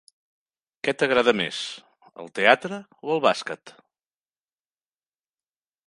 Què t'agrada més, el teatre o el bàsquet?